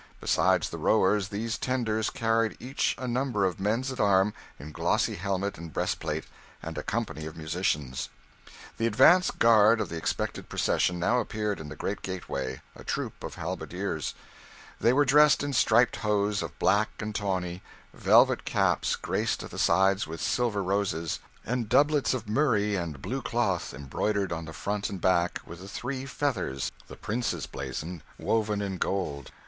Besides the rowers, these tenders carried each a number of men at arms in glossy helmet and breastplate, and a company of musicians. The advance guard of the expected procession now appeared in the great gateway, a troop of halberdiers. 'They were dressed in striped hose of black and tawny, velvet caps graced at the sides with silver roses, and doublets of murrey and blue cloth, embroidered on the front and back with the three feathers, the prince's blazon, woven in gold.